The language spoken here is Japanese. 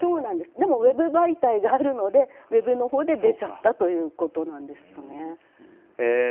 でもウェブ媒体があるのでウェブのほうで出ちゃったということなんですね。